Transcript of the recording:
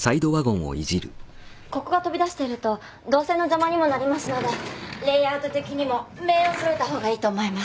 ここが飛び出していると動線の邪魔にもなりますのでレイアウト的にも面を揃えた方がいいと思います。